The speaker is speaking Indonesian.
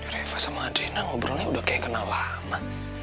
reva sama adrina ngobrolnya udah kayak kenal lama